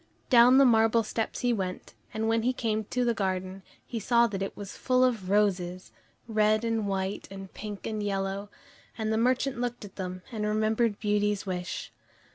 Down the marble steps he went, and when he came to the garden, he saw that it was full of roses, red and white and pink and yellow, and the merchant looked at them, and remembered Beauty's wish.